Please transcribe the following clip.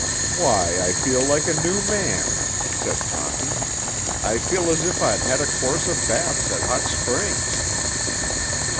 "Why, I feel like a new man," said Toppy. "I feel as if I'd had a course of baths at Hot Springs."